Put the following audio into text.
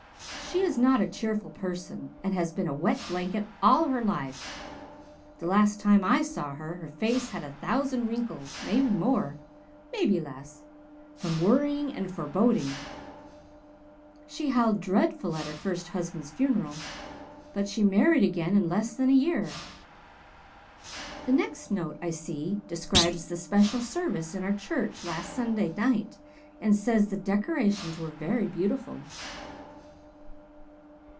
She is not a cheerful person and has been a wet blanket all her life. The last time I saw her, her face had a thousand wrinkles maybe more, maybe less from worrying and foreboding. She howled dreadful at her first husband's funeral but she married again in less than a year. The next note, I see, describes the special service in our church last Sunday night and says the decorations were very beautiful."